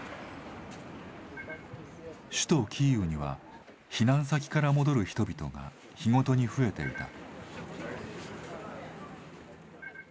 首都キーウには避難先から戻る人々が日ごとに増えていた。